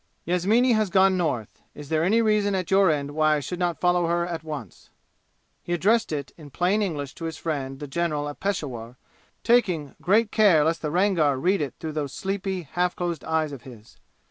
"Yasmini has gone North. Is there any reason at your end why I should not follow her at once?" He addressed it in plain English to his friend the general at Peshawur, taking great care lest the Rangar read it through those sleepy, half closed eyes of his.